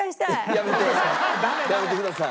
やめてください。